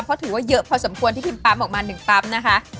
เพราะถือว่าเยอะพอสมควรที่พิมปั๊มออกมา๑ปั๊บนะคะ